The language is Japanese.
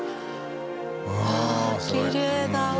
うわきれいだわ。